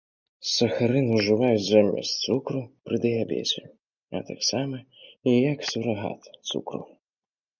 Сахарын ужываюць замест цукру пры дыябеце, а таксама як сурагат цукру.